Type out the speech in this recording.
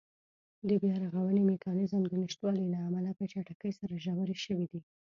د بیا رغونې میکانېزم د نشتوالي له امله په چټکۍ سره ژورې شوې دي.